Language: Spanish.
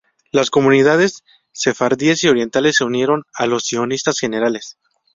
Las Comunidades Sefardíes y Orientales se unieron a los Sionistas Generales.